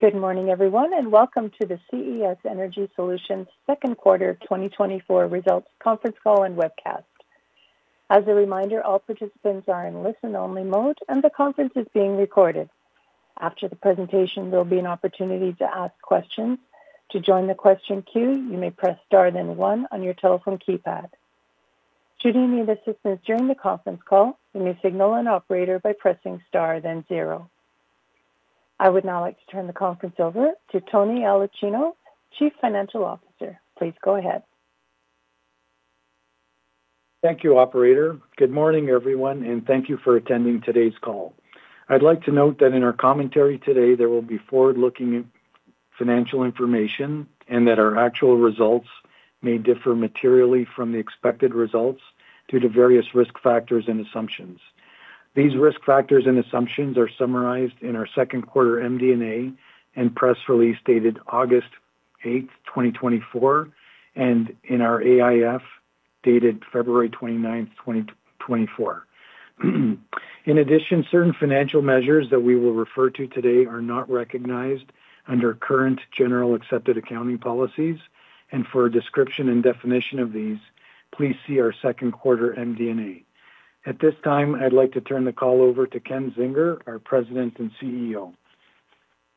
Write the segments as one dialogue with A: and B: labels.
A: Good morning, everyone, and welcome to the CES Energy Solutions second quarter 2024 results conference call and webcast. As a reminder, all participants are in listen-only mode and the conference is being recorded. After the presentation, there will be an opportunity to ask questions. To join the question queue, you may press star, then one on your telephone keypad. Should you need assistance during the conference call, you may signal an operator by pressing star, then zero. I would now like to turn the conference over to Tony Aulicino, Chief Financial Officer. Please go ahead.
B: Thank you, operator. Good morning, everyone, and thank you for attending today's call. I'd like to note that in our commentary today, there will be forward-looking financial information and that our actual results may differ materially from the expected results due to various risk factors and assumptions. These risk factors and assumptions are summarized in our second quarter MD&A and press release, dated August 8, 2024, and in our AIF, dated February 29, 2024. In addition, certain financial measures that we will refer to today are not recognized under current generally accepted accounting policies, and for a description and definition of these, please see our second quarter MD&A. At this time, I'd like to turn the call over to Ken Zinger, our President and CEO.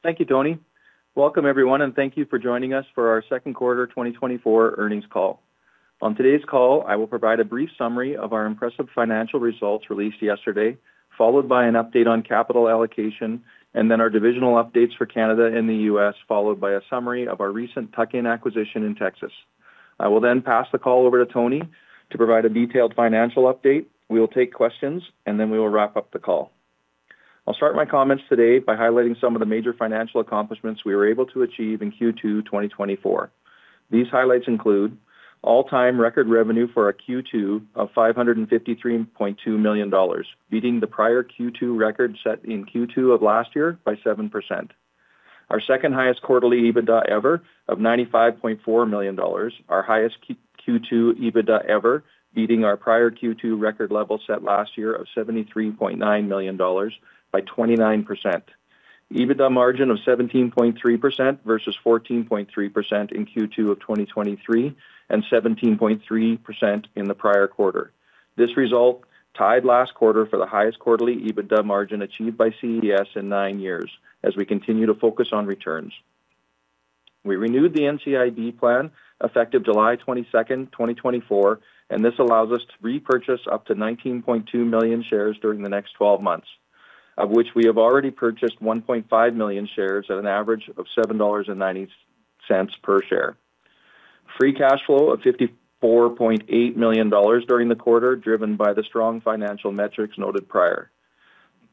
C: Thank you, Tony. Welcome, everyone, and thank you for joining us for our second quarter 2024 earnings call. On today's call, I will provide a brief summary of our impressive financial results released yesterday, followed by an update on capital allocation and then our divisional updates for Canada and the U.S., followed by a summary of our recent tuck-in acquisition in Texas. I will then pass the call over to Tony to provide a detailed financial update. We will take questions, and then we will wrap up the call. I'll start my comments today by highlighting some of the major financial accomplishments we were able to achieve in Q2 2024. These highlights include all-time record revenue for a Q2 of $553.2 million, beating the prior Q2 record set in Q2 of last year by 7%. Our second-highest quarterly EBITDA ever of $95.4 million. Our highest Q2 EBITDA ever, beating our prior Q2 record level set last year of $73.9 million by 29%. EBITDA margin of 17.3% versus 14.3% in Q2 of 2023 and 17.3% in the prior quarter. This result tied last quarter for the highest quarterly EBITDA margin achieved by CES in 9 years as we continue to focus on returns. We renewed the NCIB plan, effective July 22, 2024, and this allows us to repurchase up to 19.2 million shares during the next 12 months, of which we have already purchased 1.5 million shares at an average of $7.90 per share. Free cash flow of $54.8 million during the quarter, driven by the strong financial metrics noted prior.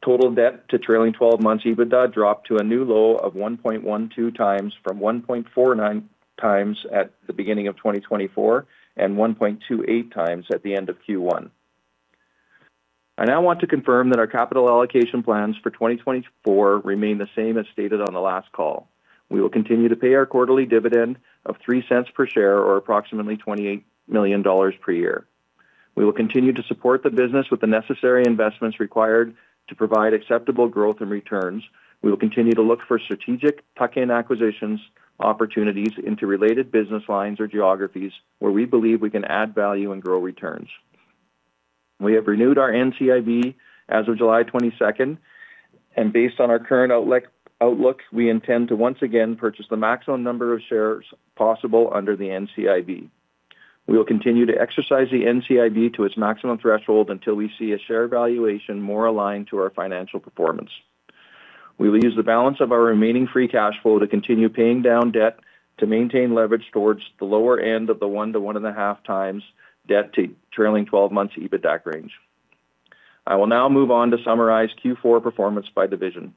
C: Total debt to trailing twelve months EBITDA dropped to a new low of 1.12 times from 1.49 times at the beginning of 2024, and 1.28 times at the end of Q1. I now want to confirm that our capital allocation plans for 2024 remain the same as stated on the last call. We will continue to pay our quarterly dividend of $0.03 per share or approximately $28 million per year. We will continue to support the business with the necessary investments required to provide acceptable growth and returns. We will continue to look for strategic tuck-in acquisitions, opportunities into related business lines or geographies where we believe we can add value and grow returns. We have renewed our NCIB as of July 22, and based on our current outlook, we intend to once again purchase the maximum number of shares possible under the NCIB. We will continue to exercise the NCIB to its maximum threshold until we see a share valuation more aligned to our financial performance. We will use the balance of our remaining free cash flow to continue paying down debt, to maintain leverage towards the lower end of the 1-1.5 times debt to trailing twelve months EBITDA range. I will now move on to summarize Q4 performance by division.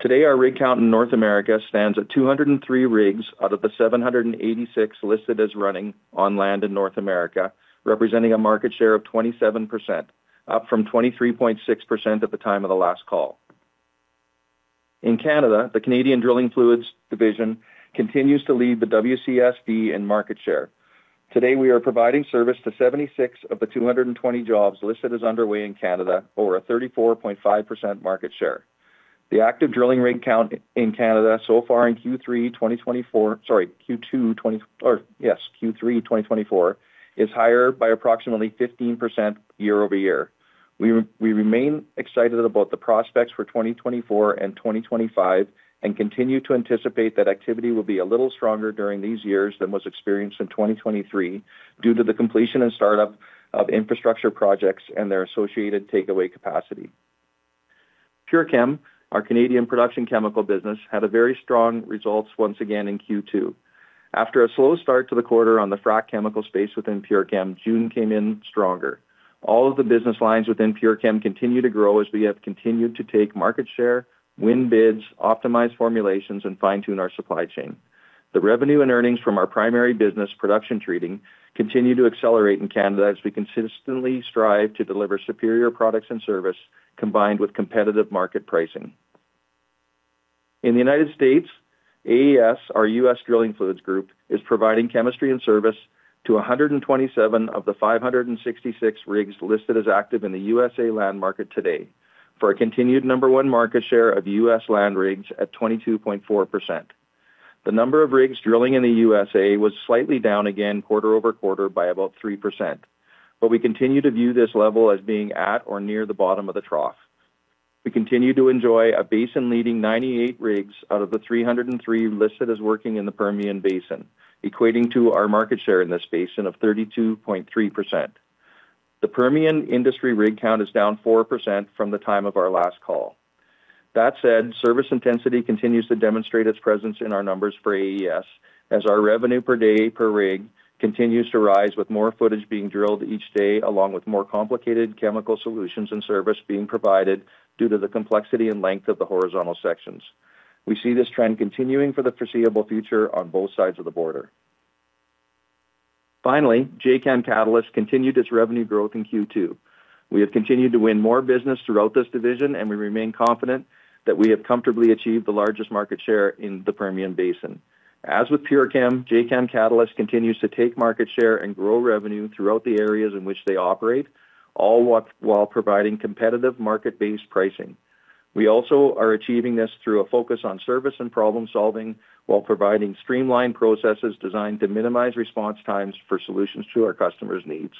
C: Today, our rig count in North America stands at 203 rigs out of the 786 listed as running on land in North America, representing a market share of 27%, up from 23.6% at the time of the last call. In Canada, the Canadian Drilling Fluids division continues to lead the WCSB in market share. Today, we are providing service to 76 of the 220 jobs listed as underway in Canada, or a 34.5% market share. The active drilling rig count in Canada so far in Q3 2024 is higher by approximately 15% year-over-year. We remain excited about the prospects for 2024 and 2025, and continue to anticipate that activity will be a little stronger during these years than was experienced in 2023, due to the completion and startup of infrastructure projects and their associated takeaway capacity. PureChem, our Canadian production chemical business, had a very strong results once again in Q2. After a slow start to the quarter on the frac chemical space within PureChem, June came in stronger. All of the business lines within PureChem continue to grow as we have continued to take market share, win bids, optimize formulations and fine-tune our supply chain. The revenue and earnings from our primary business, production treating, continue to accelerate in Canada as we consistently strive to deliver superior products and service, combined with competitive market pricing. In the United States-... AES, our US drilling fluids group, is providing chemistry and service to 127 of the 566 rigs listed as active in the USA land market today, for a continued number one market share of US land rigs at 22.4%. The number of rigs drilling in the USA was slightly down again quarter-over-quarter by about 3%, but we continue to view this level as being at or near the bottom of the trough. We continue to enjoy a basin-leading 98 rigs out of the 303 listed as working in the Permian Basin, equating to our market share in this basin of 32.3%. The Permian industry rig count is down 4% from the time of our last call. That said, service intensity continues to demonstrate its presence in our numbers for AES, as our revenue per day per rig continues to rise, with more footage being drilled each day, along with more complicated chemical solutions and service being provided due to the complexity and length of the horizontal sections. We see this trend continuing for the foreseeable future on both sides of the border. Finally, Jacam Catalyst continued its revenue growth in Q2. We have continued to win more business throughout this division, and we remain confident that we have comfortably achieved the largest market share in the Permian Basin. As with PureChem, Jacam Catalyst continues to take market share and grow revenue throughout the areas in which they operate, all while providing competitive market-based pricing. We also are achieving this through a focus on service and problem-solving, while providing streamlined processes designed to minimize response times for solutions to our customers' needs.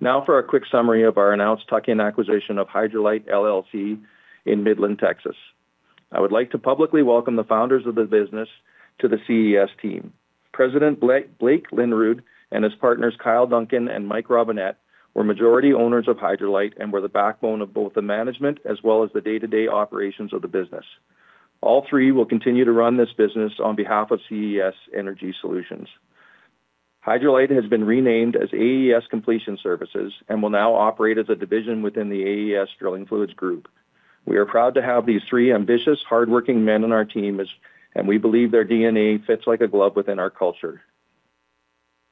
C: Now for a quick summary of our announced tuck-in acquisition of HydroLite LLC in Midland, Texas. I would like to publicly welcome the founders of the business to the CES team. President Blake, Blake Linnerud and his partners, Kyle Duncan and Mike Robinett, were majority owners of HydroLite and were the backbone of both the management as well as the day-to-day operations of the business. All three will continue to run this business on behalf of CES Energy Solutions. HydroLite has been renamed as AES Completion Services and will now operate as a division within the AES Drilling Fluids Group. We are proud to have these three ambitious, hardworking men on our team, as we believe their DNA fits like a glove within our culture.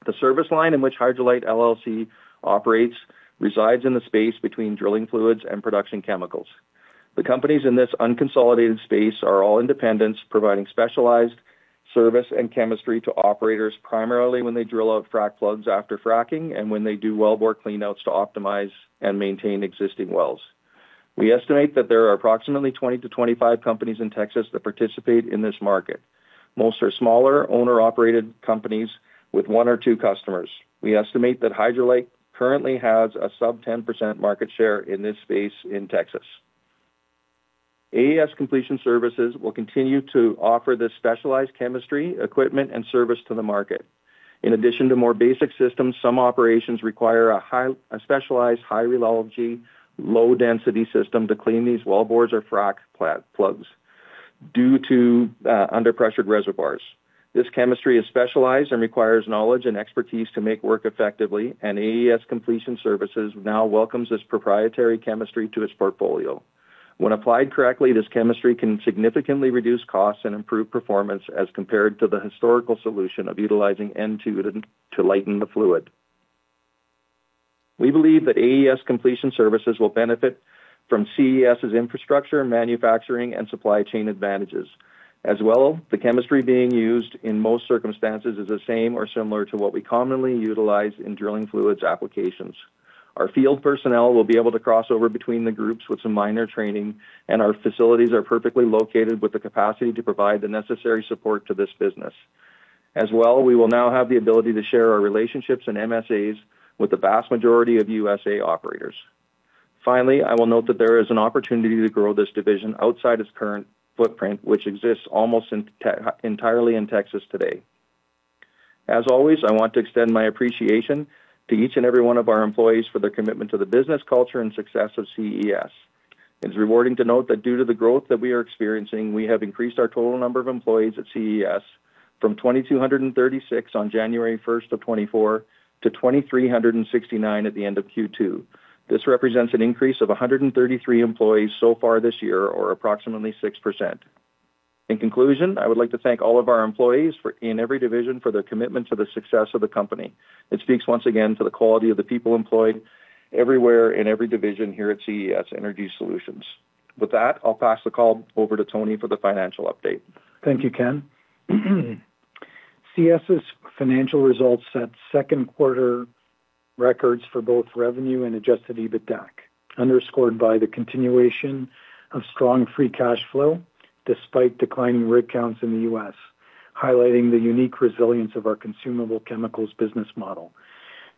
C: The service line in which HydroLite LLC operates resides in the space between drilling fluids and production chemicals. The companies in this unconsolidated space are all independents, providing specialized service and chemistry to operators, primarily when they drill out frac plugs after fracking and when they do wellbore cleanouts to optimize and maintain existing wells. We estimate that there are approximately 20-25 companies in Texas that participate in this market. Most are smaller, owner-operated companies with 1 or 2 customers. We estimate that HydroLite currently has a sub-10% market share in this space in Texas. AES Completion Services will continue to offer this specialized chemistry, equipment and service to the market. In addition to more basic systems, some operations require a high rheology, low density system to clean these wellbores or frac plugs due to under pressured reservoirs. This chemistry is specialized and requires knowledge and expertise to make work effectively, and AES Completion Services now welcomes this proprietary chemistry to its portfolio. When applied correctly, this chemistry can significantly reduce costs and improve performance as compared to the historical solution of utilizing N2 to lighten the fluid. We believe that AES Completion Services will benefit from CES's infrastructure, manufacturing and supply chain advantages. As well, the chemistry being used in most circumstances is the same or similar to what we commonly utilize in drilling fluids applications. Our field personnel will be able to cross over between the groups with some minor training, and our facilities are perfectly located with the capacity to provide the necessary support to this business. As well, we will now have the ability to share our relationships and MSAs with the vast majority of USA operators. Finally, I will note that there is an opportunity to grow this division outside its current footprint, which exists almost entirely in Texas today. As always, I want to extend my appreciation to each and every one of our employees for their commitment to the business, culture and success of CES. It's rewarding to note that due to the growth that we are experiencing, we have increased our total number of employees at CES from 2,236 on January 1, 2024 to 2,369 at the end of Q2. This represents an increase of 133 employees so far this year, or approximately 6%. In conclusion, I would like to thank all of our employees in every division for their commitment to the success of the company. It speaks once again to the quality of the people employed everywhere in every division here at CES Energy Solutions. With that, I'll pass the call over to Tony for the financial update.
B: Thank you, Ken. CES's financial results set second quarter records for both revenue and Adjusted EBITDAC, underscored by the continuation of strong free cash flow despite declining rig counts in the U.S., highlighting the unique resilience of our consumable chemicals business model.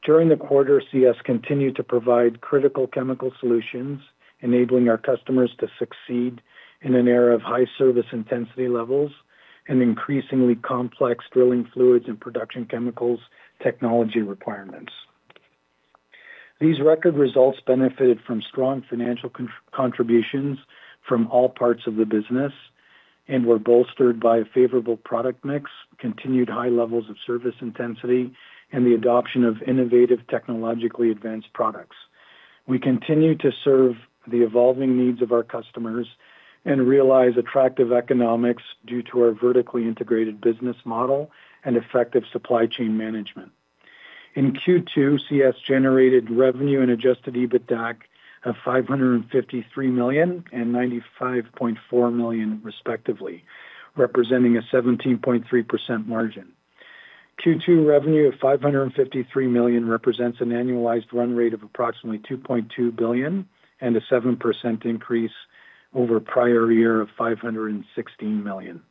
B: During the quarter, CES continued to provide critical chemical solutions, enabling our customers to succeed in an era of high service intensity levels and increasingly complex drilling fluids and production chemicals technology requirements. These record results benefited from strong financial contributions from all parts of the business and were bolstered by a favorable product mix, continued high levels of service intensity, and the adoption of innovative, technologically advanced products. We continue to serve the evolving needs of our customers and realize attractive economics due to our vertically integrated business model and effective supply chain management.... In Q2, CES generated revenue and Adjusted EBITDAC of $553 million and $95.4 million, respectively, representing a 17.3% margin. Q2 revenue of $553 million represents an annualized run rate of approximately $2.2 billion and a 7% increase over prior year of $516 million.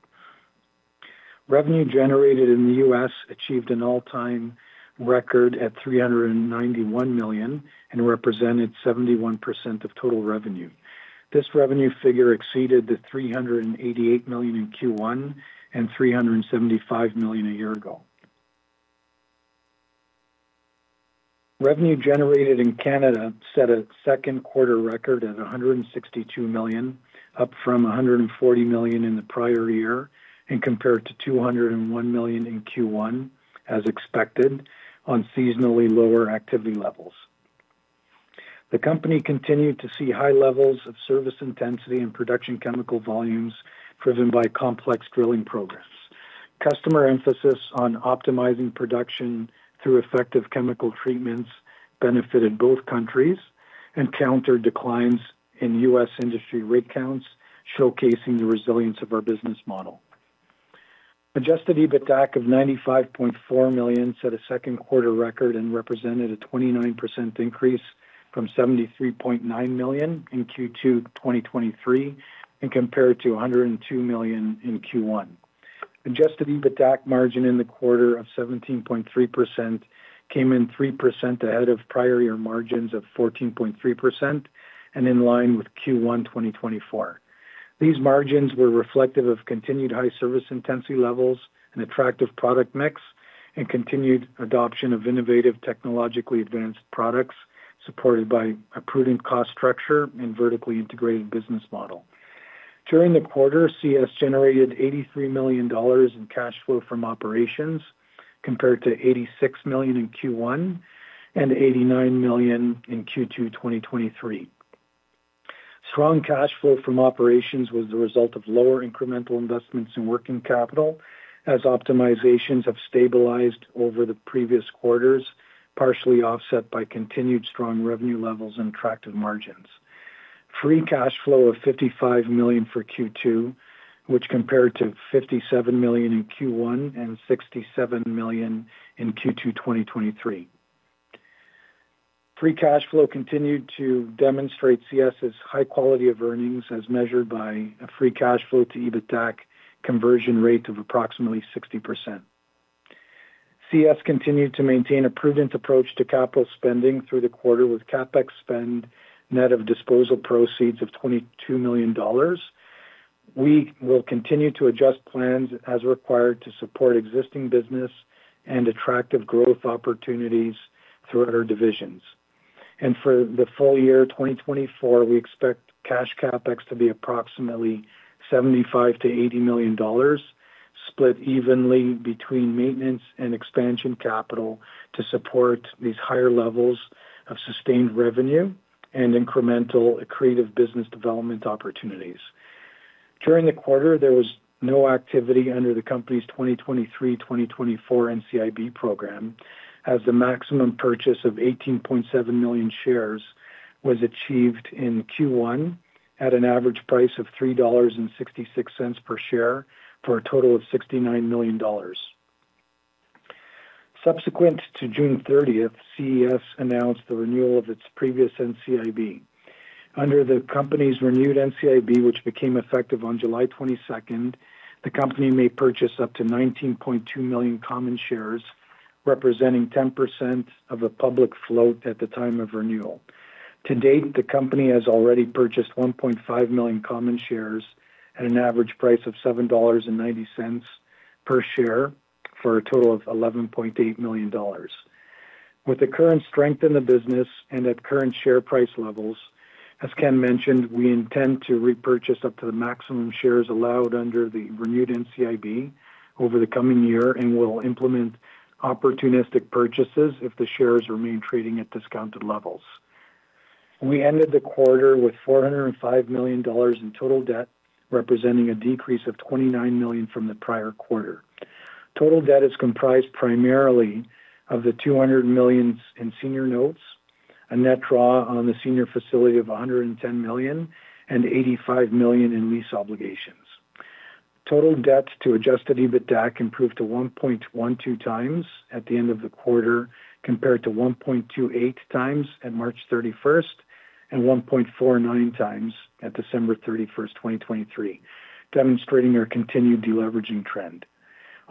B: Revenue generated in the U.S. achieved an all-time record at $391 million and represented 71% of total revenue. This revenue figure exceeded the $388 million in Q1 and $375 million a year ago. Revenue generated in Canada set a second quarter record at $162 million, up from $140 million in the prior year, and compared to $201 million in Q1, as expected, on seasonally lower activity levels. The company continued to see high levels of service intensity and production chemical volumes, driven by complex drilling programs. Customer emphasis on optimizing production through effective chemical treatments benefited both countries and countered declines in US industry rig counts, showcasing the resilience of our business model. Adjusted EBITDAC of 95.4 million set a second quarter record and represented a 29% increase from 73.9 million in Q2 2023 and compared to 102 million in Q1. Adjusted EBITDAC margin in the quarter of 17.3% came in 3% ahead of prior year margins of 14.3% and in line with Q1 2024. These margins were reflective of continued high service intensity levels and attractive product mix, and continued adoption of innovative, technologically advanced products, supported by a prudent cost structure and vertically integrated business model. During the quarter, CES generated $83 million in cash flow from operations, compared to $86 million in Q1 and $89 million in Q2 2023. Strong cash flow from operations was the result of lower incremental investments in working capital, as optimizations have stabilized over the previous quarters, partially offset by continued strong revenue levels and attractive margins. Free cash flow of $55 million for Q2, which compared to $57 million in Q1 and $67 million in Q2 2023. Free cash flow continued to demonstrate CES's high quality of earnings, as measured by a free cash flow to EBITDAC conversion rate of approximately 60%. CES continued to maintain a prudent approach to capital spending through the quarter, with CapEx spend net of disposal proceeds of $22 million. We will continue to adjust plans as required to support existing business and attractive growth opportunities throughout our divisions. For the full year 2024, we expect cash CapEx to be approximately 75 million-80 million dollars, split evenly between maintenance and expansion capital to support these higher levels of sustained revenue and incremental accretive business development opportunities. During the quarter, there was no activity under the company's 2023-2024 NCIB program, as the maximum purchase of 18.7 million shares was achieved in Q1 at an average price of 3.66 dollars per share, for a total of 69 million dollars. Subsequent to June 30, CES announced the renewal of its previous NCIB. Under the company's renewed NCIB, which became effective on July 22, the company may purchase up to 19.2 million common shares, representing 10% of the public float at the time of renewal. To date, the company has already purchased 1.5 million common shares at an average price of $7.90 per share, for a total of $11.8 million. With the current strength in the business and at current share price levels, as Ken mentioned, we intend to repurchase up to the maximum shares allowed under the renewed NCIB over the coming year, and we'll implement opportunistic purchases if the shares remain trading at discounted levels. We ended the quarter with $405 million in total debt, representing a decrease of $29 million from the prior quarter. Total debt is comprised primarily of the $200 million in senior notes, a net draw on the senior facility of $110 million, and $85 million in lease obligations. Total debt to Adjusted EBITDAC improved to 1.12x at the end of the quarter, compared to 1.28x at March 31st and 1.49x at December 31, 2023, demonstrating our continued deleveraging trend.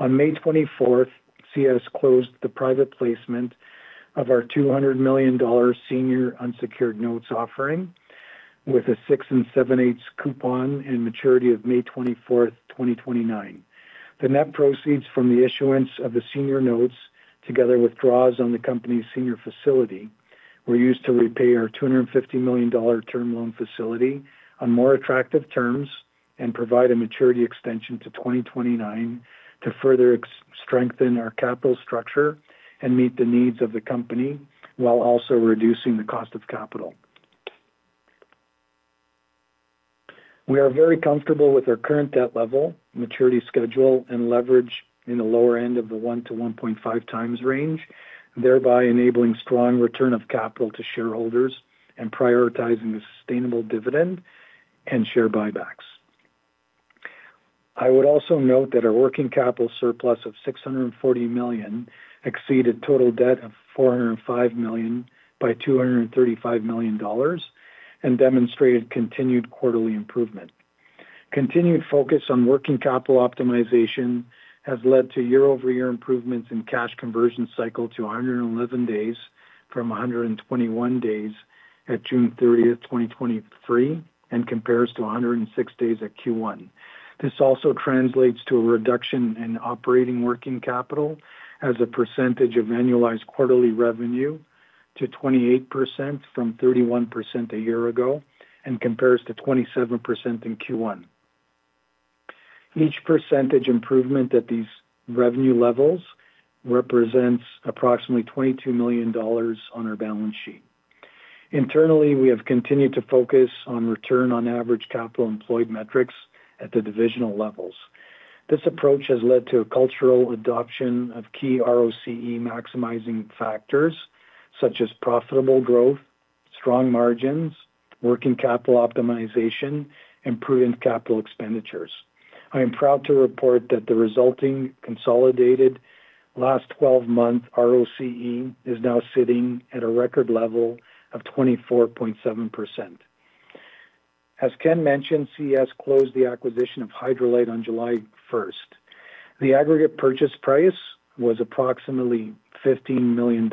B: On May 24th, CES closed the private placement of our 200 million dollar senior unsecured notes offering with a 6.875% coupon and maturity of May 24, 2029. The net proceeds from the issuance of the senior notes, together with draws on the company's senior facility, were used to repay our $250 million term loan facility on more attractive terms and provide a maturity extension to 2029 to further strengthen our capital structure and meet the needs of the company, while also reducing the cost of capital. We are very comfortable with our current debt level, maturity schedule, and leverage in the lower end of the 1-1.5 times range, thereby enabling strong return of capital to shareholders and prioritizing a sustainable dividend and share buybacks. I would also note that our working capital surplus of $640 million exceeded total debt of $405 million by $235 million and demonstrated continued quarterly improvement. Continued focus on working capital optimization has led to year-over-year improvements in cash conversion cycle to 111 days from 121 days at June 30, 2023, and compares to 106 days at Q1. This also translates to a reduction in operating working capital as a percentage of annualized quarterly revenue to 28% from 31% a year ago and compares to 27% in Q1. Each percentage improvement at these revenue levels represents approximately $22 million on our balance sheet. Internally, we have continued to focus on return on average capital employed metrics at the divisional levels. This approach has led to a cultural adoption of key ROCE maximizing factors such as profitable growth, strong margins, working capital optimization, and prudent capital expenditures. I am proud to report that the resulting consolidated last twelve-month ROCE is now sitting at a record level of 24.7%. As Ken mentioned, CES closed the acquisition of HydroLite on July first. The aggregate purchase price was approximately $15 million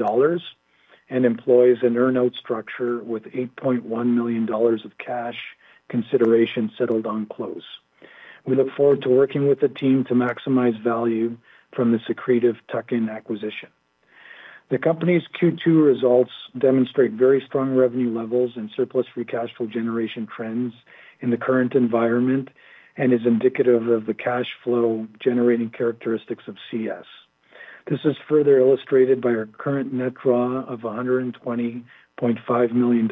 B: and employs an earn-out structure with $8.1 million of cash consideration settled on close. We look forward to working with the team to maximize value from the strategic tuck-in acquisition. The company's Q2 results demonstrate very strong revenue levels and surplus free cash flow generation trends in the current environment and is indicative of the cash flow generating characteristics of CES. This is further illustrated by our current net draw of $120.5 million,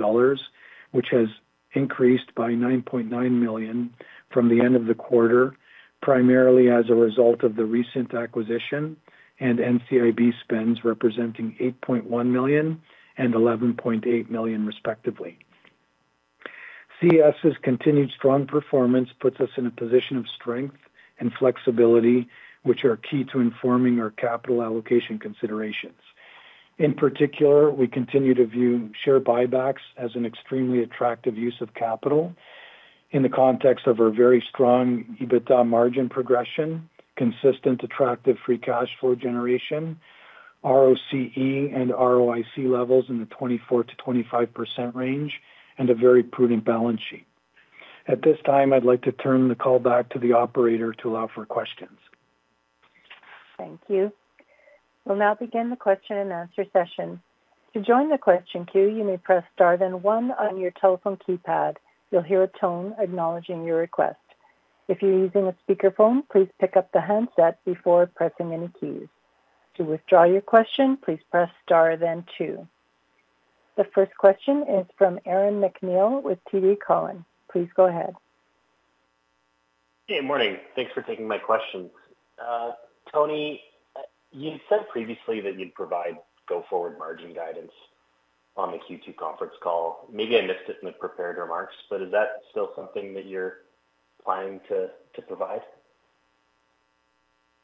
B: which has increased by $9.9 million from the end of the quarter, primarily as a result of the recent acquisition and NCIB spends, representing $8.1 million and $11.8 million, respectively. CES's continued strong performance puts us in a position of strength and flexibility, which are key to informing our capital allocation considerations. In particular, we continue to view share buybacks as an extremely attractive use of capital in the context of our very strong EBITDA margin progression, consistent, attractive free cash flow generation, ROCE and ROIC levels in the 24%-25% range, and a very prudent balance sheet. At this time, I'd like to turn the call back to the operator to allow for questions.
A: Thank you. We'll now begin the question and answer session. To join the question queue, you may press Star then One on your telephone keypad. You'll hear a tone acknowledging your request. If you're using a speakerphone, please pick up the handset before pressing any keys. To withdraw your question, please press Star then Two. The first question is from Aaron MacNeil with TD Cowen. Please go ahead.
D: Hey, morning. Thanks for taking my questions. Tony, you said previously that you'd provide go-forward margin guidance on the Q2 conference call. Maybe I missed it in the prepared remarks, but is that still something that you're planning to, to provide?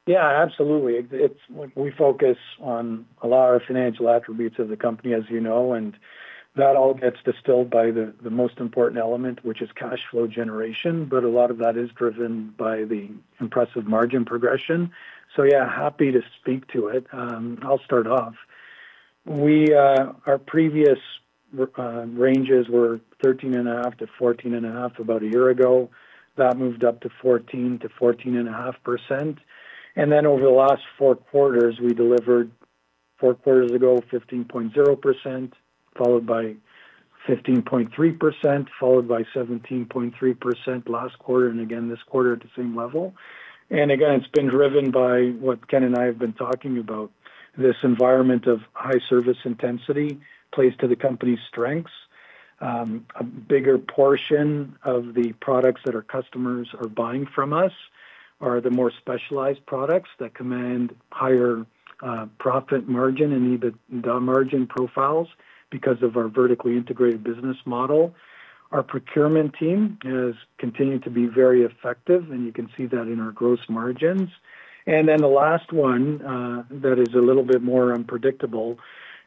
B: Yeah, absolutely. It's we focus on a lot of financial attributes of the company, as you know, and that all gets distilled by the most important element, which is cash flow generation. But a lot of that is driven by the impressive margin progression. So yeah, happy to speak to it. I'll start off. We, our previous, ranges were 13.5%-14.5% about a year ago. That moved up to 14-14.5%. And then over the last four quarters, we delivered four quarters ago, 15.0%, followed by 15.3%, followed by 17.3% last quarter, and again this quarter at the same level. And again, it's been driven by what Ken and I have been talking about. This environment of high service intensity plays to the company's strengths. A bigger portion of the products that our customers are buying from us are the more specialized products that command higher profit margin and EBITDA margin profiles because of our vertically integrated business model. Our procurement team has continued to be very effective, and you can see that in our gross margins. And then the last one that is a little bit more unpredictable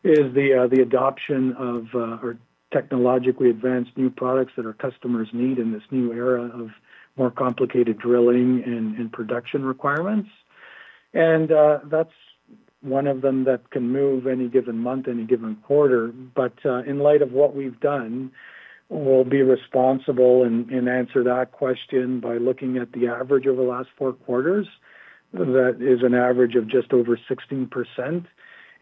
B: is the adoption of our technologically advanced new products that our customers need in this new era of more complicated drilling and production requirements. And that's one of them that can move any given month, any given quarter. But in light of what we've done, we'll be responsible and answer that question by looking at the average over the last four quarters. That is an average of just over 16%.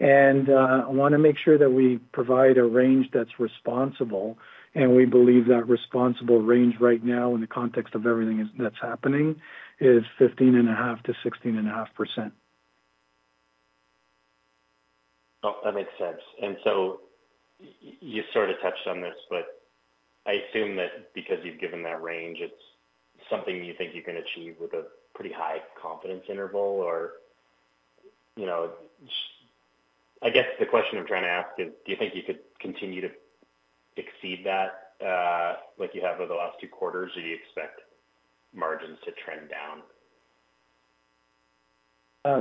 B: I want to make sure that we provide a range that's responsible, and we believe that responsible range right now, in the context of everything that's happening, is 15.5%-16.5%....
D: Oh, that makes sense. And so you sort of touched on this, but I assume that because you've given that range, it's something you think you can achieve with a pretty high confidence interval, or, you know, I guess the question I'm trying to ask is, do you think you could continue to exceed that, like you have over the last two quarters, or do you expect margins to trend down?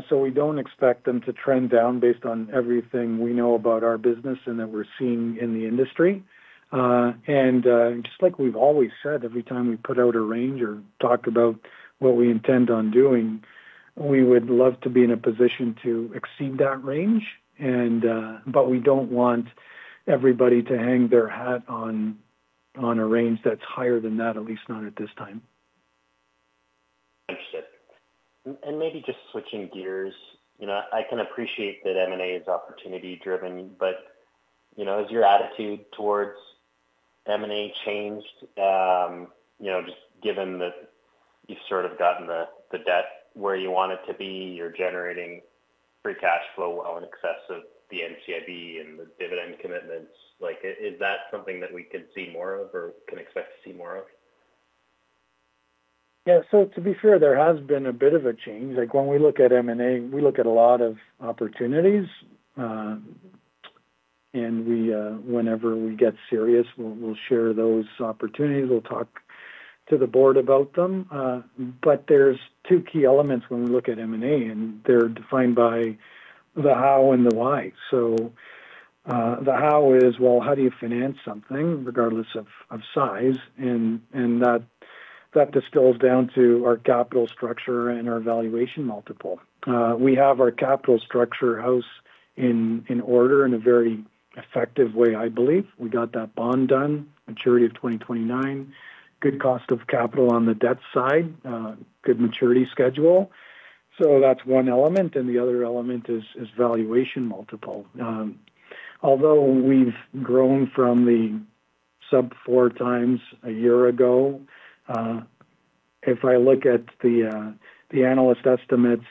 B: So we don't expect them to trend down based on everything we know about our business and that we're seeing in the industry. And just like we've always said, every time we put out a range or talk about what we intend on doing, we would love to be in a position to exceed that range. But we don't want everybody to hang their hat on a range that's higher than that, at least not at this time.
D: Understood. Maybe just switching gears, you know, I can appreciate that M&A is opportunity driven, but, you know, has your attitude towards M&A changed? You know, just given that you've sort of gotten the debt where you want it to be, you're generating free cash flow well in excess of the NCIB and the dividend commitments. Like, is that something that we could see more of or can expect to see more of?
B: Yeah. So to be fair, there has been a bit of a change. Like, when we look at M&A, we look at a lot of opportunities, and we, whenever we get serious, we'll share those opportunities. We'll talk to the board about them. But there's two key elements when we look at M&A, and they're defined by the how and the why. So, the how is, well, how do you finance something regardless of size? And that distills down to our capital structure and our valuation multiple. We have our capital structure house in order in a very effective way, I believe. We got that bond done, maturity of 2029. Good cost of capital on the debt side, good maturity schedule. So that's one element, and the other element is valuation multiple. Although we've grown from the sub-4x a year ago, if I look at the analyst estimates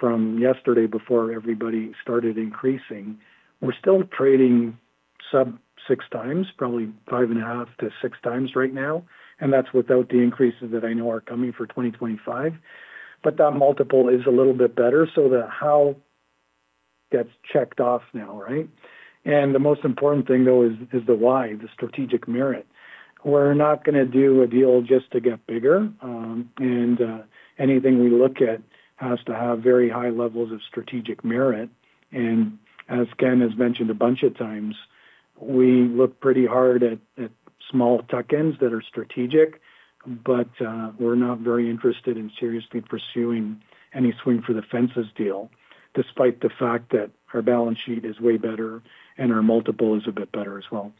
B: from yesterday before everybody started increasing, we're still trading sub-6x, probably 5.5x-6x right now, and that's without the increases that I know are coming for 2025. But that multiple is a little bit better. So the how gets checked off now, right? And the most important thing, though, is the why, the strategic merit. We're not gonna do a deal just to get bigger, and anything we look at has to have very high levels of strategic merit. As Ken has mentioned a bunch of times, we look pretty hard at small tuck-ins that are strategic, but we're not very interested in seriously pursuing any swing for the fences deal, despite the fact that our balance sheet is way better and our multiple is a bit better as well.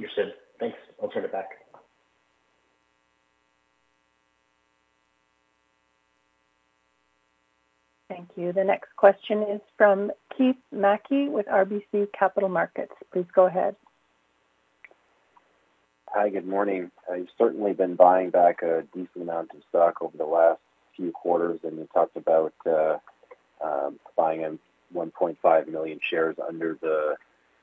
D: Understood. Thanks. I'll turn it back.
A: Thank you. The next question is from Keith Mackey with RBC Capital Markets. Please go ahead.
E: Hi, good morning. You've certainly been buying back a decent amount of stock over the last few quarters, and you talked about buying 1.5 million shares under the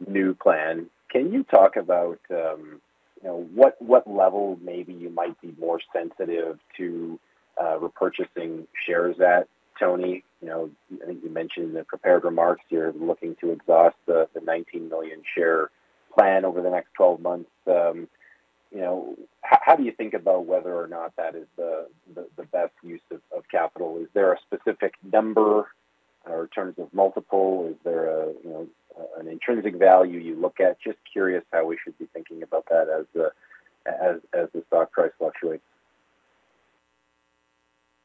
E: new plan. Can you talk about, you know, what level maybe you might be more sensitive to repurchasing shares at, Tony? You know, I think you mentioned in the prepared remarks you're looking to exhaust the 19 million share plan over the next twelve months. You know, how do you think about whether or not that is the best use of capital? Is there a specific number or in terms of multiple, is there a, you know, an intrinsic value you look at? Just curious how we should be thinking about that as the stock price fluctuates.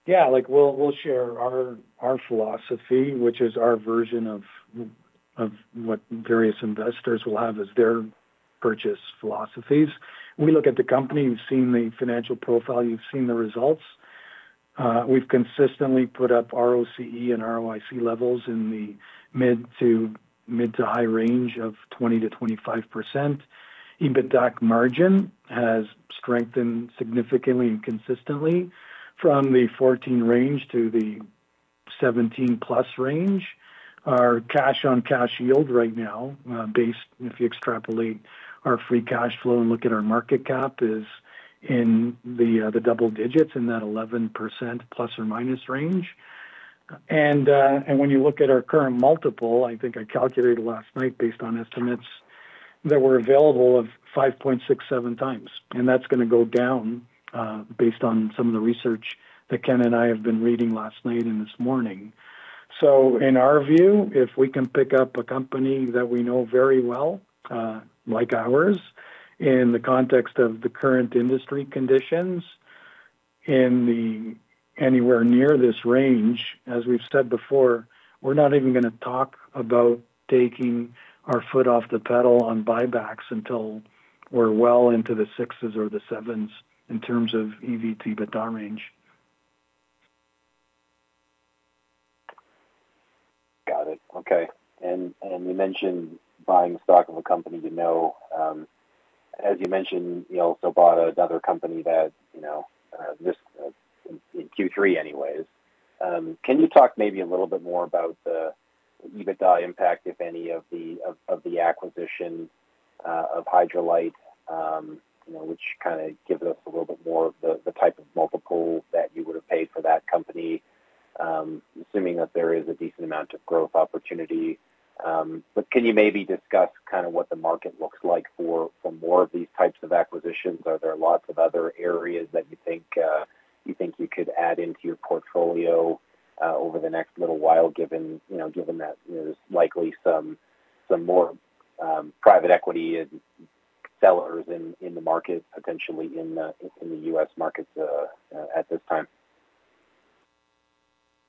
B: Yeah, like, we'll share our philosophy, which is our version of what various investors will have as their purchase philosophies. We look at the company, you've seen the financial profile, you've seen the results. We've consistently put up ROCE and ROIC levels in the mid- to high range of 20%-25%. EBITDA margin has strengthened significantly and consistently from the 14% range to the 17%+ range. Our cash-on-cash yield right now, based, if you extrapolate our free cash flow and look at our market cap, is in the double digits, in that 11% plus or minus range. When you look at our current multiple, I think I calculated last night based on estimates that were available of 5.67x, and that's gonna go down, based on some of the research that Ken and I have been reading last night and this morning. So in our view, if we can pick up a company that we know very well, like ours, in the context of the current industry conditions, in anywhere near this range, as we've said before, we're not even gonna talk about taking our foot off the pedal on buybacks until we're well into the sixes or the sevens in terms of EV/EBITDA range.
E: Got it. Okay. And you mentioned buying stock of a company you know, as you mentioned, you also bought another company that, you know, this in Q3 anyways. Can you talk maybe a little bit more about the EBITDA impact, if any, of the acquisition of HydroLite? You know, which kinda gives us a little bit more of the type of multiple that you would have paid for that company, assuming that there is a decent amount of growth opportunity. But can you maybe discuss kind of what the market looks like for more of these types of acquisitions? Are there lots of other areas that you think you could add into your portfolio over the next little while, given, you know, given that there's likely some more private equity and sellers in the market, potentially in the U.S. market at this time?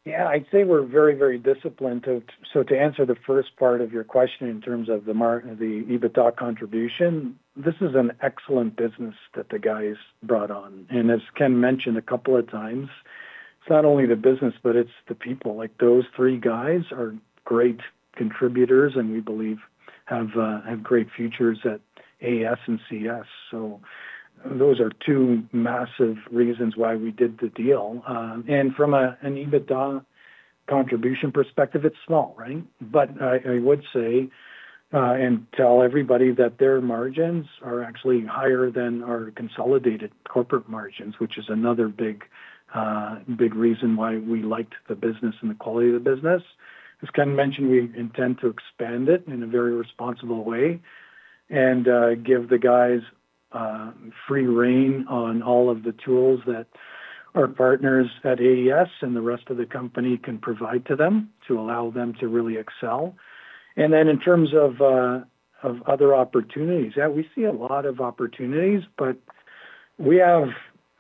B: Yeah, I'd say we're very, very disciplined. So to answer the first part of your question in terms of the EBITDA contribution, this is an excellent business that the guys brought on. And as Ken mentioned a couple of times, it's not only the business, but it's the people. Like, those three guys are great contributors and we believe have great futures at AES and CS. So those are two massive reasons why we did the deal. And from an EBITDA contribution perspective, it's small, right? But I would say and tell everybody that their margins are actually higher than our consolidated corporate margins, which is another big reason why we liked the business and the quality of the business. As Ken mentioned, we intend to expand it in a very responsible way and, give the guys, free rein on all of the tools that our partners at AES and the rest of the company can provide to them, to allow them to really excel. And then in terms of, of other opportunities, yeah, we see a lot of opportunities, but we have...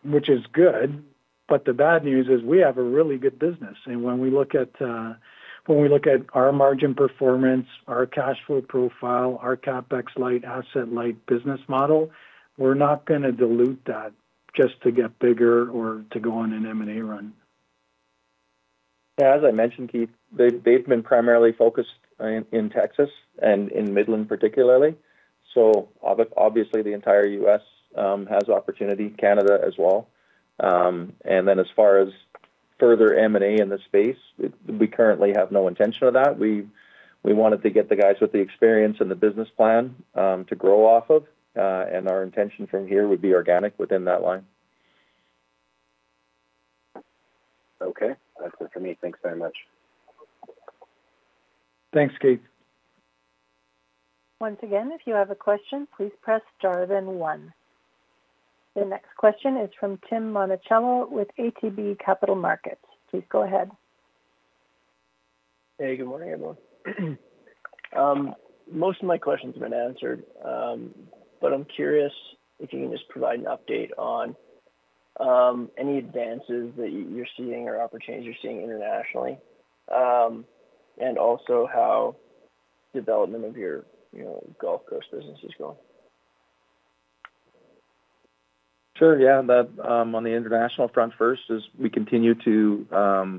B: Which is good, but the bad news is we have a really good business. And when we look at, when we look at our margin performance, our cash flow profile, our CapEx light, asset light business model, we're not gonna dilute that just to get bigger or to go on an M&A run.
C: Yeah, as I mentioned, Keith, they've been primarily focused in Texas and in Midland, particularly. So obviously, the entire U.S. has opportunity, Canada as well. And then as far as further M&A in this space, we currently have no intention of that. We wanted to get the guys with the experience and the business plan to grow off of, and our intention from here would be organic within that line.
E: Okay. That's it for me. Thanks very much.
B: Thanks, Keith.
A: Once again, if you have a question, please press star then one. The next question is from Tim Monachello with ATB Capital Markets. Please go ahead.
F: Hey, good morning, everyone. Most of my questions have been answered, but I'm curious if you can just provide an update on any advances that you're seeing or opportunities you're seeing internationally, and also how development of your, you know, Gulf Coast business is going?
C: Sure. Yeah, the, on the international front first, is we continue to,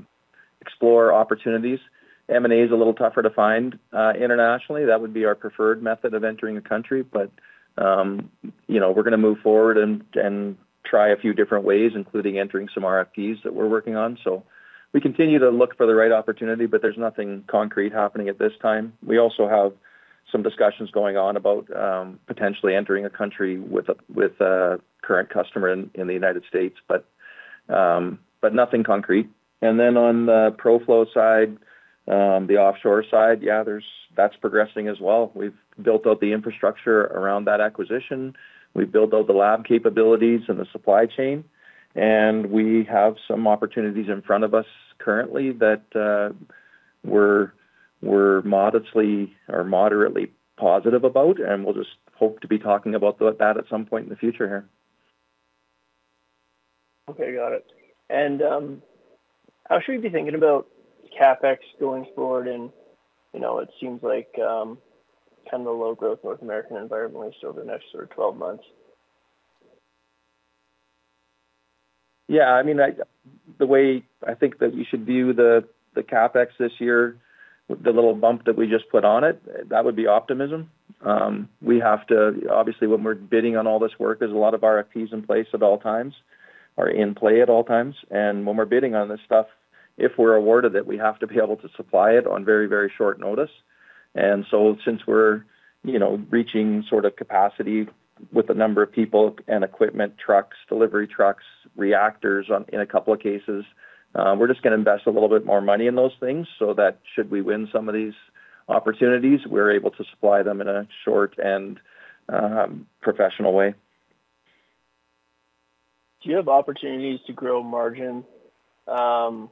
C: explore opportunities. M&A is a little tougher to find, internationally. That would be our preferred method of entering a country, but, you know, we're gonna move forward and try a few different ways, including entering some RFPs that we're working on. So we continue to look for the right opportunity, but there's nothing concrete happening at this time. We also have some discussions going on about, potentially entering a country with a current customer in the United States, but, but nothing concrete. And then on the ProFlow side, the offshore side, yeah, there's-- that's progressing as well. We've built out the infrastructure around that acquisition. We've built out the lab capabilities and the supply chain, and we have some opportunities in front of us currently that we're modestly or moderately positive about, and we'll just hope to be talking about that at some point in the future here.
F: Okay, got it. How should we be thinking about CapEx going forward? You know, it seems like kind of a low-growth North American environment over the next sort of 12 months.
C: Yeah, I mean, the way I think that we should view the, the CapEx this year, the little bump that we just put on it, that would be optimism. We have to. Obviously, when we're bidding on all this work, there's a lot of RFPs in place at all times, or in play at all times. And when we're bidding on this stuff, if we're awarded it, we have to be able to supply it on very, very short notice. And so since we're, you know, reaching sort of capacity with the number of people and equipment, trucks, delivery trucks, reactors, in a couple of cases, we're just gonna invest a little bit more money in those things so that should we win some of these opportunities, we're able to supply them in a short and, professional way.
F: Do you have opportunities to grow margin, from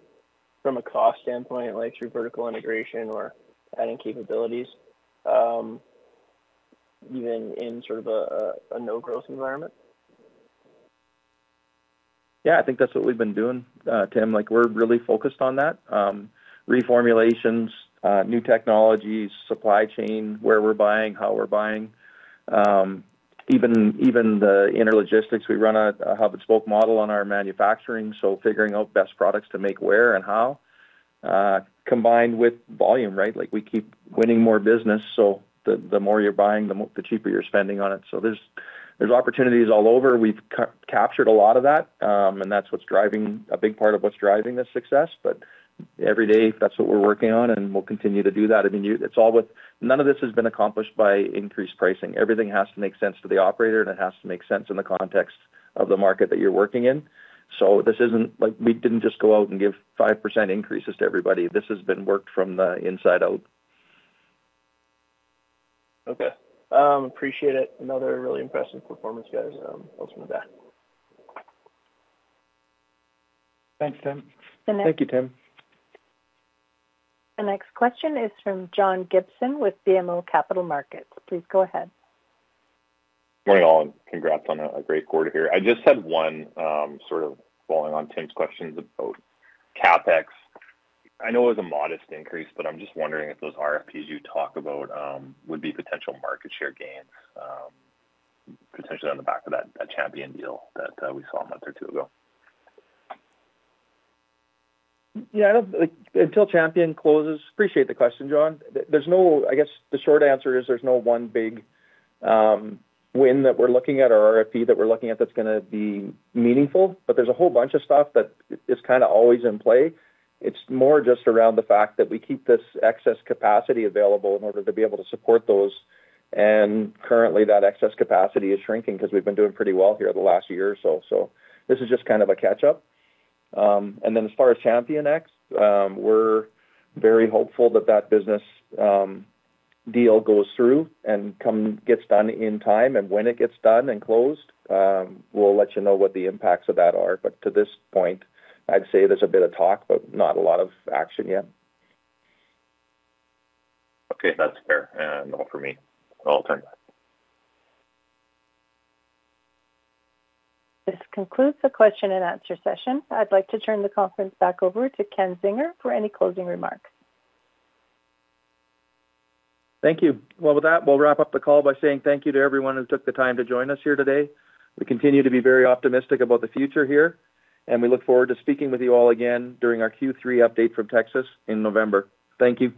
F: a cost standpoint, like through vertical integration or adding capabilities, even in sort of a no-growth environment?
C: Yeah, I think that's what we've been doing, Tim. Like, we're really focused on that. Reformulations, new technologies, supply chain, where we're buying, how we're buying. Even the internal logistics, we run a hub and spoke model on our manufacturing, so figuring out best products to make where and how, combined with volume, right? Like we keep winning more business, so the more you're buying, the more, the cheaper you're spending on it. So there's, there's opportunities all over. We've captured a lot of that, and that's what's driving a big part of what's driving this success. But every day, that's what we're working on, and we'll continue to do that. I mean, it's all without. None of this has been accomplished by increased pricing. Everything has to make sense to the operator, and it has to make sense in the context of the market that you're working in. So this isn't, like, we didn't just go out and give 5% increases to everybody. This has been worked from the inside out.
F: Okay, appreciate it. Another really impressive performance, guys, ultimate back.
C: Thanks, Tim.
F: Thank you, Ken.
A: The next question is from John Gibson with BMO Capital Markets. Please go ahead.
G: Morning, all, and congrats on a great quarter here. I just had one, sort of following on Tim's questions about CapEx. I know it was a modest increase, but I'm just wondering if those RFPs you talk about would be potential market share gains, potentially on the back of that Champion deal that we saw a month or two ago?
C: Yeah, I don't—until Champion closes. Appreciate the question, John. There's no—I guess the short answer is there's no one big win that we're looking at or RFP that we're looking at that's gonna be meaningful, but there's a whole bunch of stuff that is kinda always in play. It's more just around the fact that we keep this excess capacity available in order to be able to support those, and currently, that excess capacity is shrinking because we've been doing pretty well here the last year or so. So this is just kind of a catch-up. And then as far as Champion, we're very hopeful that that business deal goes through and gets done in time. And when it gets done and closed, we'll let you know what the impacts of that are. To this point, I'd say there's a bit of talk, but not a lot of action yet.
G: Okay, that's fair, and all for me. I'll turn back.
A: This concludes the question and answer session. I'd like to turn the conference back over to Ken Zinger for any closing remarks.
C: Thank you. Well, with that, we'll wrap up the call by saying thank you to everyone who took the time to join us here today. We continue to be very optimistic about the future here, and we look forward to speaking with you all again during our Q3 update from Texas in November. Thank you.